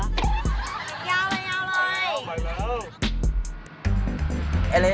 ยาวไปเลย